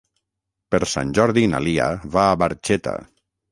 Per Sant Jordi na Lia va a Barxeta.